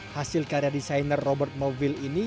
hasil karya desainer robert novil ini